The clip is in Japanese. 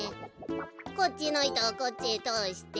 こっちのいとをこっちへとおして。